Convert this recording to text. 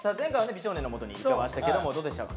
美少年のもとに行きましたけどもどうでしたか？